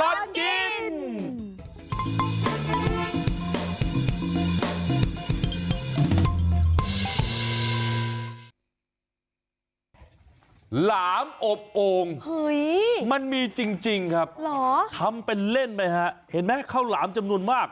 อบโอ่งมันมีจริงครับทำเป็นเล่นไหมฮะเห็นไหมข้าวหลามจำนวนมาก